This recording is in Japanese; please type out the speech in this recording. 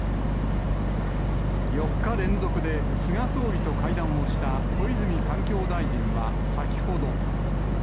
４日連続で菅総理と会談をした小泉環境大臣は先ほど。